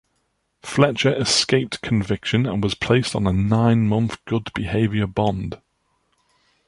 Fletcher escaped conviction and was placed on a nine-month good behaviour bond.